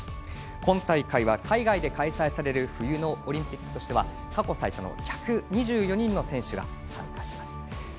今大会は海外で開催される冬のオリンピックとしては過去最多の１２４人の選手が参加します。